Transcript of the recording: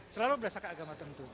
selalu berdasarkan agama tertentu